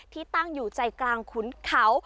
ที่ตั้งอยู่ใจกลางขุนเขา